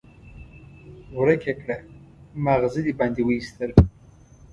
ورک يې کړه؛ ماغزه دې باندې واېستل.